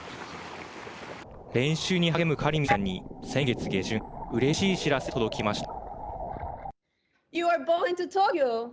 練習に励むカリミさんに先月下旬、うれしい知らせが届きました。